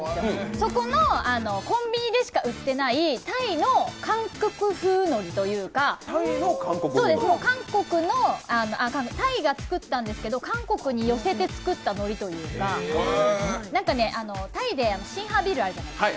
そこのコンビニでしか売ってないタイの韓国風のりというか、タイが作ったんですけど、韓国に寄せて作ったのりというかタイでシンハービールってあるじゃないですか。